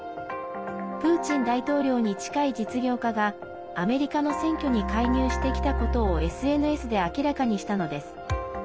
プーチン大統領に近い実業家がアメリカの選挙に介入してきたことをＳＮＳで明らかにしたのです。